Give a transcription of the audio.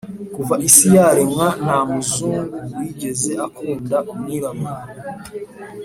kuva isi yaremwa nta muzungu wigeze akunda umwirabura